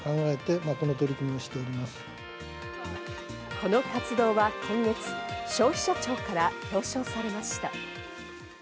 この活動は今月、消費者庁から表彰されました。